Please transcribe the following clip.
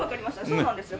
そうなんですよ。